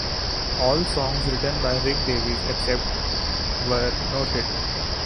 All songs written by Rick Davies, except where noted.